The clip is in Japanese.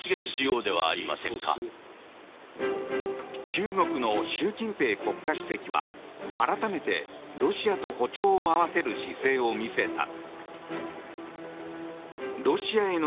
中国の習近平国家主席は改めてロシアと歩調を合わせる姿勢を見せた。